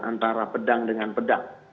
antara pedang dengan pedang